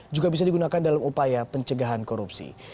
juga bisa digunakan dalam upaya pencegahan korupsi